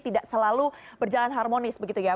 tidak selalu berjalan harmonis begitu ya